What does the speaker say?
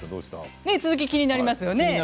ねえ続き気になりますよね。